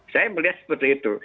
saya melihat seperti itu